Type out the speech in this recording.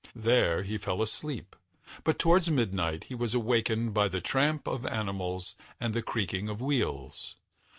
There he fell asleep, but towards midnight he was awakened by the tramp of animals and the creaking of wheels.